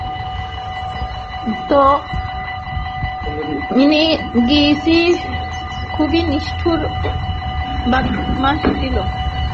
তো, মিনিগিশি খুবই নিষ্ঠুর বদমাশ ছিল।